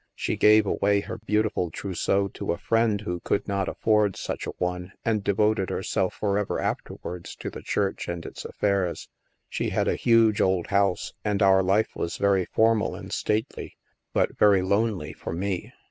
She gave away her beautiful trousseau to a friend who could not afford such a one and devoted herself forever afterwards to the Church and its affairs. She had a huge old house, and our life was very formal and stately, but very lonely for me.